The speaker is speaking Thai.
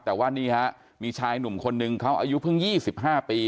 แต่ว่านี่ฮะมีชายหนุ่มคนนึงเขาอายุเพิ่ง๒๕ปี